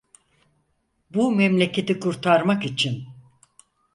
Bu memleketi kurtarmak için.